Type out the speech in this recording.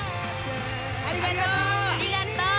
ありがとう！